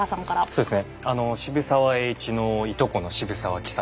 そうですね。